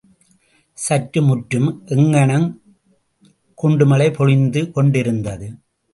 சுற்று முற்றும், எங்கனும் குண்டு மழை பொழிந்து கொண்டிருந்தது.